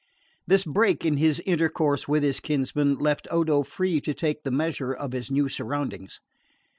This break in his intercourse with his kinsman left Odo free to take the measure of his new surroundings.